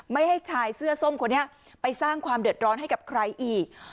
ไม่ให้ชายเสื้อส้มคนนี้ไปสร้างความเดือดร้อนให้กับใครอีก